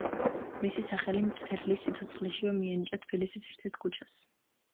მისი სახელი მწერლის სიცოცხლეშივე მიენიჭა თბილისის ერთ-ერთ ქუჩას.